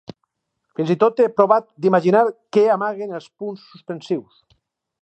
Fins i tot he provat d'imaginar què amaguen els punts suspensius...